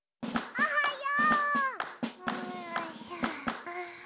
おはよう。